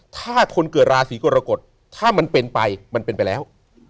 ถ้าคนเกิดราศีกรกฎถ้ามันเป็นไปมันเป็นไปแล้ว